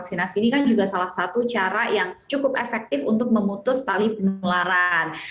vaksinasi ini kan juga salah satu cara yang cukup efektif untuk memutus tali penularan